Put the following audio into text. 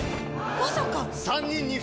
まさか！